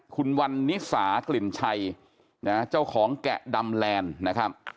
คุณวันนิสากลิ่นชัยนะเจ้าของแกะดำแลนด์นะครับ